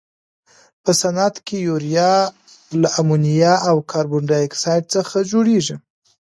په صنعت کې یوریا له امونیا او کاربن ډای اکسایډ څخه جوړیږي.